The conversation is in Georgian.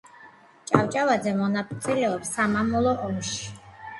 ჭავჭავაძე მონაწილეობს სამამულო ომში.